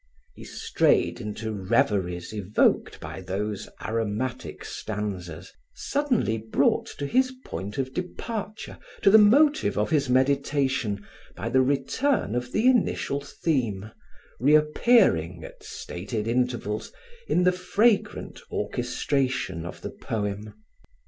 He strayed into reveries evoked by those aromatic stanzas, suddenly brought to his point of departure, to the motive of his meditation, by the return of the initial theme, reappearing, at stated intervals, in the fragrant orchestration of the poem.